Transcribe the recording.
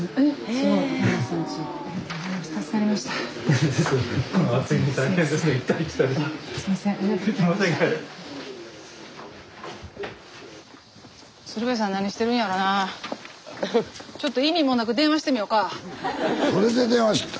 スタジオそれで電話してきた？